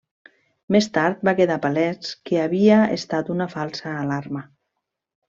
Més tard va quedar palès que havia estat una falsa alarma.